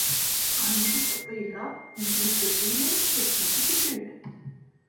Armudu sapıyla, üzümü çöpüyle, pekmezi küpüyle.